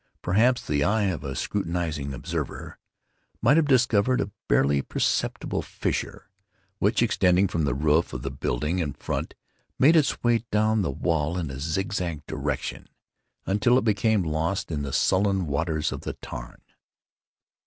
Perhaps the eye of a scrutinizing observer might have discovered a barely perceptible fissure, which, extending from the roof of the building in front, made its way down the wall in a zigzag direction, until it became lost in the sullen waters of the tarn.